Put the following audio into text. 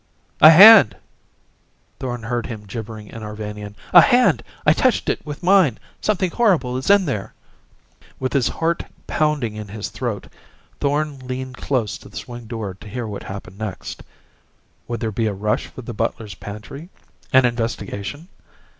"A hand!" Thorn heard him gibbering in Arvanian. "A hand! I touched it with mine! Something horrible is in there!" With his heart pounding in his throat, Thorn leaned close to the swing door to hear what happened next. Would there be a rush for the butler's pantry? An investigation?